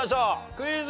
クイズ。